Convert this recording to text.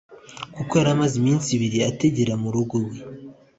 kuko yari amaze iminsi ibiri atagera murugo iwe